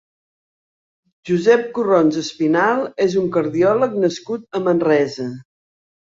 Josep Corrons Espinal és un cardiòleg nascut a Manresa.